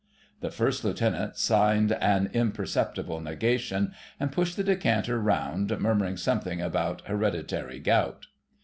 The First Lieutenant signed an imperceptible negation and pushed the decanter round, murmuring something about hereditary gout.